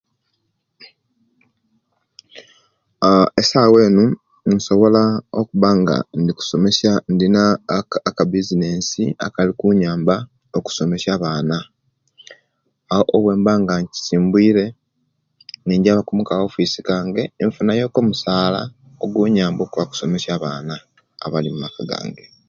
Aaah esawa eno nsobola kubanga ndikusomesya ndina kabizinensi akalikunyamba okusomesya abaana, aa obwebanga nsibwiire ninjabaku mukawofisi kanga nfuunayoku musaala okunyamba okwaaba okusomesya abaana abali omumaka gange.